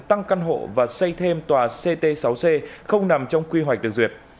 tăng căn hộ và xây thêm tòa ct sáu c không nằm trong quy hoạch được duyệt